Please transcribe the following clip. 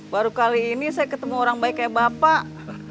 baru kali ini saya ketemu orang baik kayak bapak